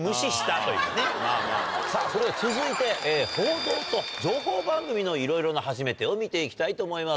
さぁそれでは続いて報道と情報番組のいろいろな初めてを見て行きたいと思います。